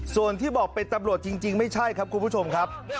ส่วนที่บอกเป็นตำรวจจริงไม่ใช่ครับคุณผู้ชมครับ